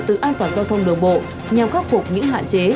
từ an toàn giao thông đường bộ nhằm khắc phục những hạn chế